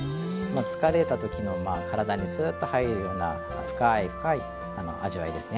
疲れた時の体にすっと入るような深い深い味わいですね。